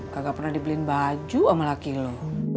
kagak pernah dibeliin baju sama laki lo